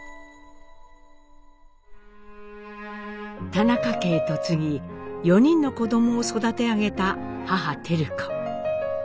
田中家へ嫁ぎ４人の子どもを育て上げた母照子。